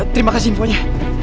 terima kasih infonya